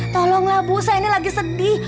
tolonglah bu saya ini lagi sedih